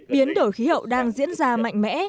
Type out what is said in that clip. biến đổi khí hậu đang diễn ra mạnh mẽ